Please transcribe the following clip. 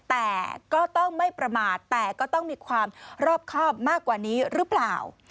แต่ก็ต้องไม่ประมาทแต่ก็ต้องมีความรอบครอบมากกว่านี้หรือเปล่า